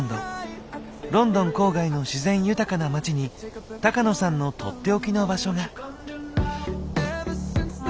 ロンドン郊外の自然豊かな街に高野さんの取って置きの場所が。